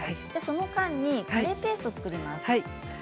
その間にカレーペーストを作ります。